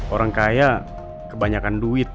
orang kaya kebanyakan duit